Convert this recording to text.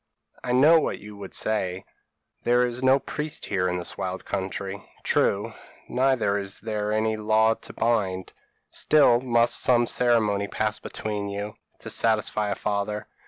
p> "'I know what you would say; there is no priest here in this wild country: true; neither is there any law to bind; still must some ceremony pass between you, to satisfy a father.